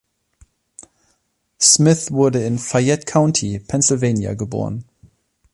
Smith wurde in Fayette County, Pennsylvania, geboren.